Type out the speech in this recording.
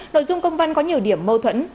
nội dung công văn có nhiều điểm mâu thuẫn